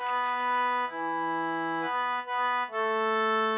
ไม่ใช้ครับไม่ใช้ครับ